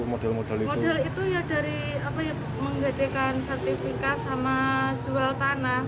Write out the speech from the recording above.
modal itu ya dari menggantikan sertifikat sama jual tanah